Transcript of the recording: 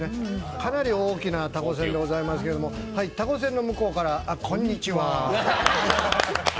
かなり大きなたこせんでございますけど、たこせんの向こうからこんにちは。